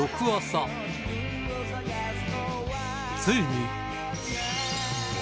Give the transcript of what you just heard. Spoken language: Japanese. ついに